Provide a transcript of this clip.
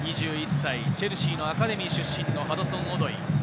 ２１歳、チェルシーのアカデミー出身のハドソン・オドイ。